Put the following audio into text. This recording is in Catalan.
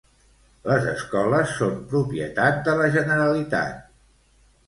Les escoles són propietat de la Generalitat.